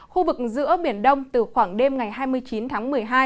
khu vực giữa biển đông từ khoảng đêm ngày hai mươi chín tháng một mươi hai